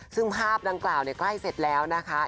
ซึ่งภาพดังกล่าวใกล้เสร็จแล้วนะคะ